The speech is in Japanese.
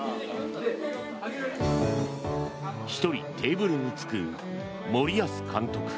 １人、テーブルに着く森保監督。